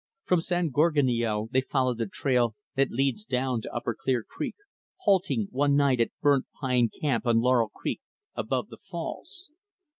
From San Gorgonio, they followed the trail that leads down to upper Clear Creek halting, one night, at Burnt Pine Camp on Laurel Creek, above the falls.